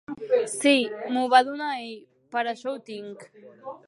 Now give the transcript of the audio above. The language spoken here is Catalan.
Sí, m'ho va donar ell. Per això ho tinc.